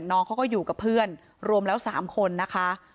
น้องเขาก็อยู่กับเพื่อนรวมแล้ว๓คนนะคะ